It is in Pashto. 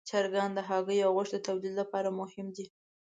چرګان د هګیو او غوښې د تولید لپاره مهم دي.